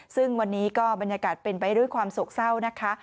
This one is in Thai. ซึ่งวันนี้ก็บรรยากาศเป็นไปด้วยความโศกเศร้านะคะ